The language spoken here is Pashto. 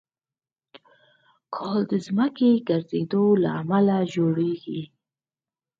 کال د ځمکې د ګرځېدو له امله جوړېږي.